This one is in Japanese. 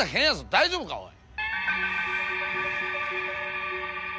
大丈夫かおい。